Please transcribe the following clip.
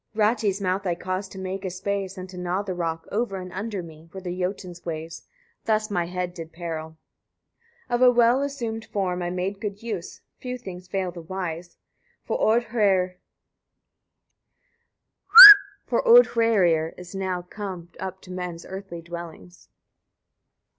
107. Rati's mouth I caused to make a space, and to gnaw the rock; over and under me were the Jotun's ways: thus I my head did peril. 108. Of a well assumed form I made good use: few things fail the wise; for Odhrærir is now come up to men's earthly dwellings.